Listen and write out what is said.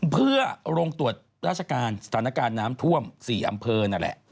เพื่อโรงตรวจราชการสถานการณ์น้ำท่วม๔อำเภอนั่นแหละ